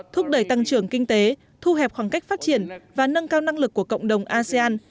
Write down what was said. thúc đẩy tăng trưởng kinh tế thu hẹp khoảng cách phát triển và nâng cao năng lực của cộng đồng asean